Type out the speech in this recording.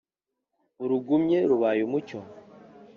urugumye rubaye umucyo